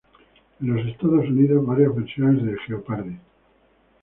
En los Estados Unidos, varios versiones de "Jeopardy!